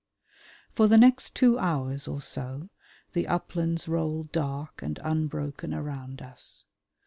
For the next two hours or so the uplands roll dark and unbroken around us.